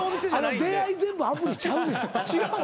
出会い全部アプリちゃうねん。